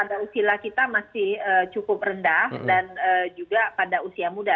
pada usia kita masih cukup rendah dan juga pada usia muda